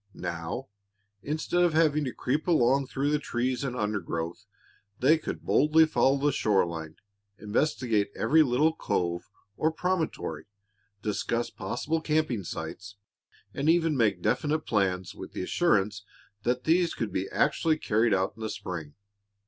Now, instead of having to creep along through trees and undergrowth, they could boldly follow the shore line, investigate every little cove or promontory, discuss possible camping sites, and even make definite plans with the assurance that these could be actually carried out in the spring.